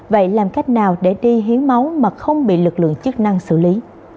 vậy làm cách nào để đi hiến máu mà không bị lực lượng chức năng xử lý